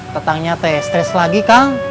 tetangnya ate stress lagi kang